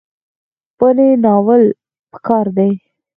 ونې نالول پکار دي